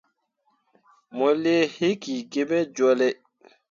Mo lii hikki gi me jolle.